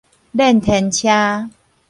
輾天車